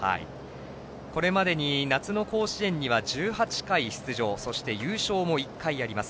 これまでに夏の甲子園には１８回出場そして、優勝も１回あります。